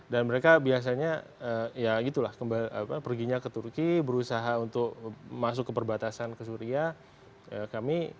dan mereka biasanya ya gitu lah perginya ke turki berusaha untuk masuk ke perbatasan ke syria